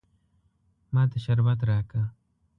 ما ته شربت راکه.